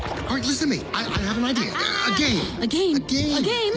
ゲーム！？